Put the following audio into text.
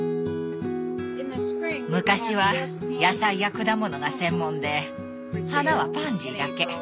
昔は野菜や果物が専門で花はパンジーだけ。